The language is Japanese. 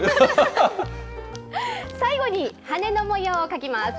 最後に、羽の模様を描きます。